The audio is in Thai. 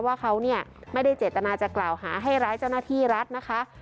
ว่าเขาเนี่ยไม่ได้เจตนาจะกล่าวหาให้ร้ายเจ้าหน้าที่รัฐนะคะ